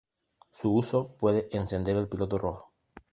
su uso puede encender el piloto rojo